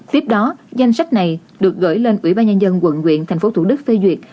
tiếp đó danh sách này được gửi lên ủy ban nhân dân quận quyện tp thủ đức phê duyệt